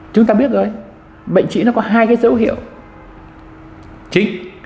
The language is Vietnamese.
chúng ta biết rồi bệnh sĩ nó có hai cái dấu hiệu chính